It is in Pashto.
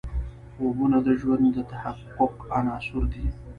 خوبونه د ژوند د تحقق عناصر دي.